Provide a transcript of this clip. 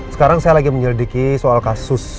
sekarang saya lagi menyelidiki soal kasus